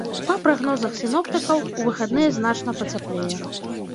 Па прагнозах сіноптыкаў, у выхадныя значна пацяплее.